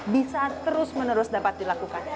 bisa terus menerus dapat dilakukan